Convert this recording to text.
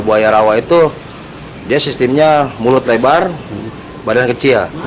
buaya rawa itu dia sistemnya mulut lebar badan kecil